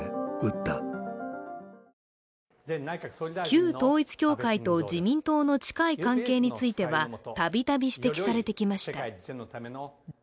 旧統一教会と自民党の近い関係については度々指摘されてきました。